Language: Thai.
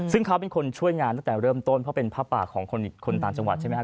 ซึ่งเขาเป็นคนช่วยงานตั้งแต่เริ่มต้นเพราะเป็นผ้าป่าของคนต่างจังหวัดใช่ไหมครับ